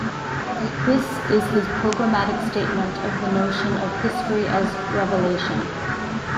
This is his programmatic statement of the notion of "History as Revelation".